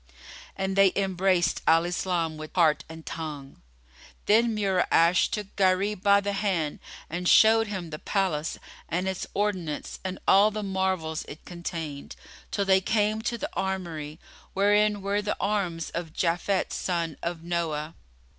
And they embraced Al Islam with heart and tongue. Then Mura'ash took Gharib by the hand and showed him the palace and its ordinance and all the marvels it contained, till they came to the armoury, wherein were the arms of Japhet son of Noah.